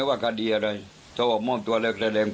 อยากคิดยังไงนะครับ